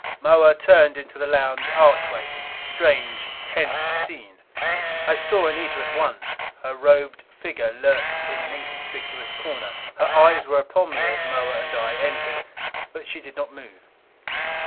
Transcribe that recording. Moa turned into the lounge archway. Strange, tense scene. I saw Anita at once. Her robed figure lurked in an inconspicuous corner; her eyes were upon me as Moa and I entered, but she did not move.